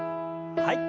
はい。